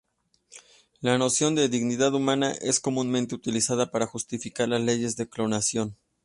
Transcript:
La noción de "dignidad humana" es comúnmente utilizada para justificar las leyes de clonación.